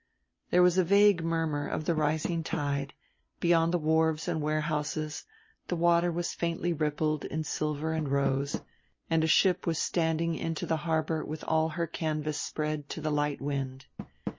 There was a vague murmur of the rising tide, beyond the wharves and warehouses the water was faintly rippled in silver and rose, and a ship was standing into the harbor with all her canvas spread to the light wind.